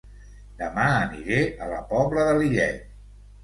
Dema aniré a La Pobla de Lillet